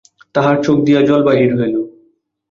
তাহার চোখ দিয়া জল বাহির হইল।